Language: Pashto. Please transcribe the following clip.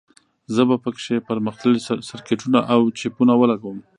زه به په کې پرمختللي سرکټونه او چپونه ولګوم